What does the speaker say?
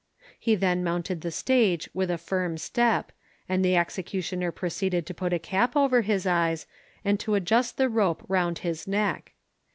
He then mounted the stage with a firm step, and the executioner proceeded to put a cap over his eyes, and to adjust the rope round his neck.